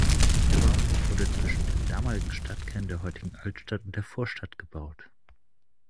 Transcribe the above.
Der Bahnhof wurde zwischen dem damaligen Stadtkern, der heutigen Altstadt, und der Vorstadt gebaut.